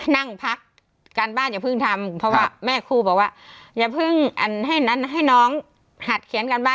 นั่งพักการบ้านอย่าเพิ่งทำเพราะว่าแม่ครูบอกว่าอย่าเพิ่งอันให้นั้นให้น้องหัดเขียนการบ้าน